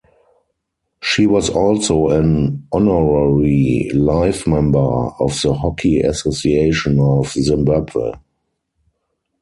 She was also an Honorary Life Member of the Hockey Association of Zimbabwe.